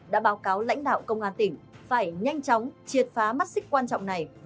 đã báo cáo lãnh đạo công an tỉnh phải nhanh chóng triệt phá mắt xích quan trọng này